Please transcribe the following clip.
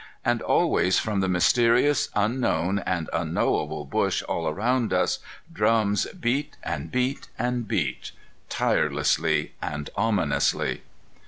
And always, from the mysterious, unknown and unknowable bush all around us, drums beat and beat and beat tirelessly and ominously.